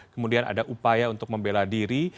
kemudian ada upaya untuk membela diri